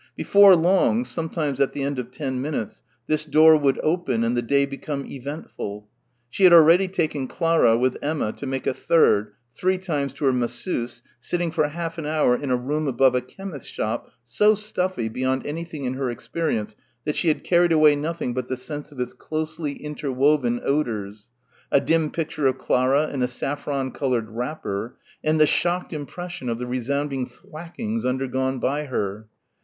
Before long, sometimes at the end of ten minutes, this door would open and the day become eventful. She had already taken Clara, with Emma, to make a third, three times to her masseuse, sitting for half an hour in a room above a chemist's shop so stuffy beyond anything in her experience that she had carried away nothing but the sense of its closely interwoven odours, a dim picture of Clara in a saffron coloured wrapper and the shocked impression of the resounding thwackings undergone by her.